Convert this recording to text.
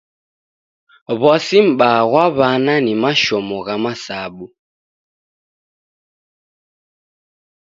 W'asi m'baa ghwa w'ana ni mashomo gha masabu.